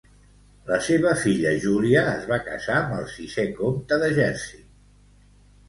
La seva filla Júlia es va casar amb el sisè comte de Jersey.